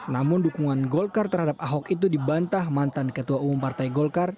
namun dukungan golkar terhadap ahok itu dibantah mantan ketua umum partai golkar